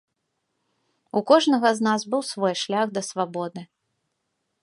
У кожнага з нас быў свой шлях да свабоды.